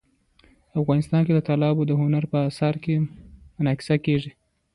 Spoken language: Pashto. افغانستان کې تالابونه د هنر په اثار کې منعکس کېږي.